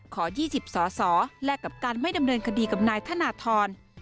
ขอ๒๐สอสอแลกกับการไม่ดำเนินคดีกับนายธนทร